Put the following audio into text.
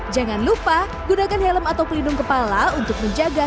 jangan lupa gunakan helm atau pelindung kepala untuk menjaga